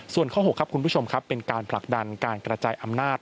ส่วนข้อ๖ครับคุณผู้ชมครับเป็นการผลักดันการกระจายอำนาจ